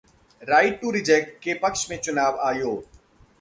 'right to reject' के पक्ष में चुनाव आयोग